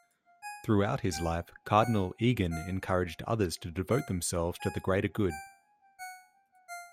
Throughout his life, Cardinal Egan encouraged others to devote themselves to the greater good.